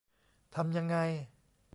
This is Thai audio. ทำยังไง